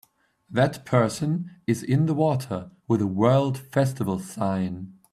That person is in the water with a World festival sign.